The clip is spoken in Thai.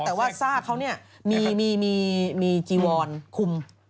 แต่ว่าซากเขาเนี่ยมีจีวอนคุม